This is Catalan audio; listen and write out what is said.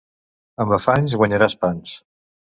Amb afanys guanyaràs pans.